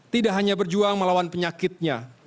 tidak hanya berjuang melawan penyakitnya